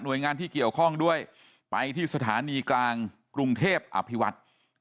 โดยงานที่เกี่ยวข้องด้วยไปที่สถานีกลางกรุงเทพอภิวัฒน์